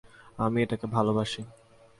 আমি এটাকে ভালোবাসি।